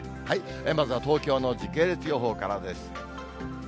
まずは東京の時系列予報からです。